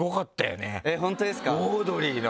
オードリーの。